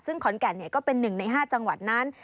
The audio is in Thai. ซึ่งขอนกะเป็นหนึ่งใน๕จังหวัดนั้น